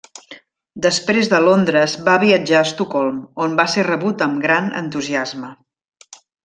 Després de Londres va viatjar a Estocolm on va ser rebut amb gran entusiasme.